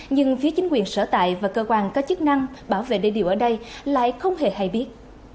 nhưng phía chính quyền sở tại và cơ quan có chức năng bảo vệ đê điều ở đây lại không hề hay biết